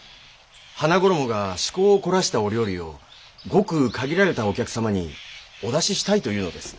花ごろもが趣向を凝らしたお料理をごく限られたお客様にお出ししたいと言うのです。